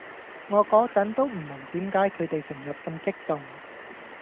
我個陣都唔明點解佢哋成日咁激動⠀